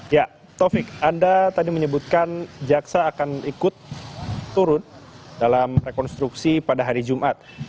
ya taufik anda tadi menyebutkan jaksa akan ikut turut dalam rekonstruksi pada hari jumat